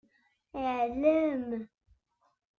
Yeɛlem.